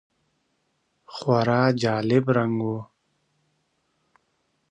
خورا جالب رنګ و .